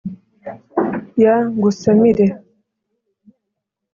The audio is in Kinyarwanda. ya ngunsamire,